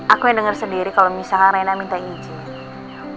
aku yang denger sendiri kalo misalkan rena minta izin